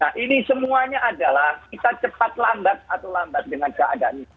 nah ini semuanya adalah kita cepat lambat atau lambat dengan keadaan ini